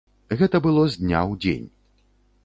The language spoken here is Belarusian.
Гэта было з дня ў дзень.